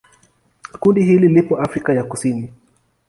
Kundi hili lipo Afrika ya Kusini.